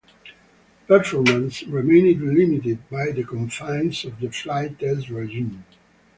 Performance remained limited by the confines of the flight test regime.